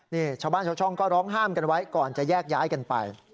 นี่ชาวบ้านชาวช่องก็ร้องห้ามกันไว้ก่อนจะแยกย้ายกันไป